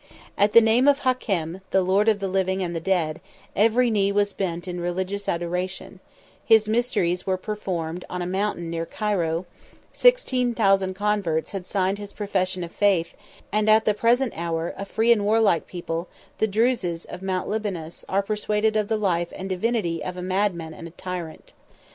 At the name of Hakem, the lord of the living and the dead, every knee was bent in religious adoration: his mysteries were performed on a mountain near Cairo: sixteen thousand converts had signed his profession of faith; and at the present hour, a free and warlike people, the Druses of Mount Libanus, are persuaded of the life and divinity of a madman and tyrant.